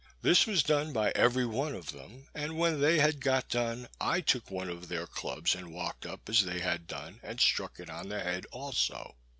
This was done by every one of them; and when they had got done, I took one of their clubs, and walked up as they had done, and struck it on the head also.